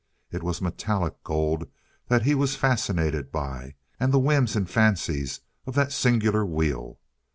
It was metallic gold that he was fascinated by and the whims and fancies of that singular wheel.